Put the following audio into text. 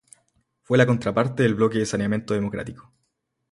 Fue la contraparte del Bloque de Saneamiento Democrático.